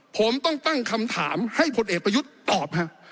ผมต้องตั้งคำถามให้ผลเอกประยุทธ์ตอบฮะ